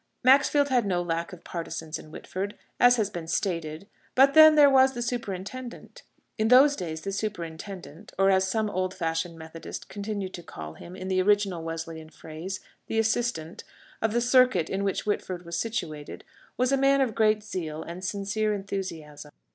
Maxfield had no lack of partisans in Whitford, as has been stated; but then there was the superintendent! In those days the superintendent (or, as some old fashioned Methodists continued to call him, in the original Wesleyan phrase, the assistant) of the circuit in which Whitford was situated, was a man of great zeal and sincere enthusiasm.